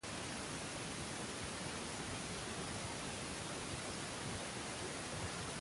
Ésta ha sido gestionada con dedicación por sus directivos.